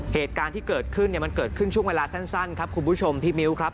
เหตุการณ์ที่เกิดขึ้นเนี่ยมันเกิดขึ้นช่วงเวลาสั้นครับคุณผู้ชมพี่มิ้วครับ